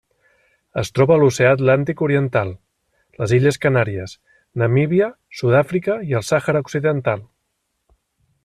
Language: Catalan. Es troba a l'Oceà Atlàntic oriental: les Illes Canàries, Namíbia, Sud-àfrica i el Sàhara Occidental.